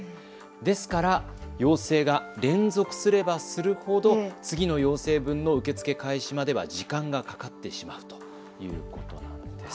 ですから要請が連続すればするほど次の要請分の受け付け開始までは時間がかかってしまうということなんです。